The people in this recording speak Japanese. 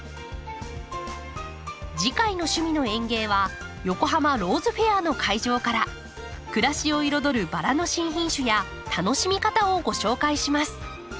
次回の「趣味の園芸」は横浜ローズフェアの会場から暮らしを彩るバラの新品種や楽しみ方をご紹介します。